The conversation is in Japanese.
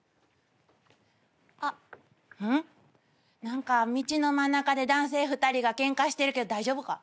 何か道の真ん中で男性２人がケンカしてるけど大丈夫か？